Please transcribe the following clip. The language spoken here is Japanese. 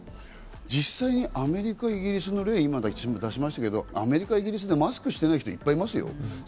実際にアメリカ、イギリスの例を出しましたけど、アメリカやイギリスでマスクしない人はいっぱいいますよ。